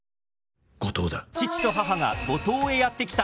父と母が五島へやってきた。